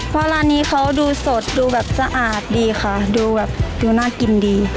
เพราะร้านนี้เขาดูสดดูแบบสะอาดดีค่ะดูแบบดูน่ากินดี